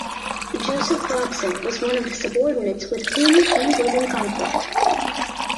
Joseph Robson was one of the subordinates with whom he was in conflict.